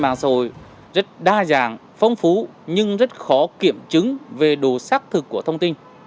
mạng xã hội rất đa dạng phong phú nhưng rất khó kiểm chứng về đồ xác thực của thông tin